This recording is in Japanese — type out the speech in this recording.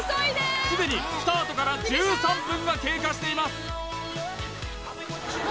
すでにスタートから１３分が経過しています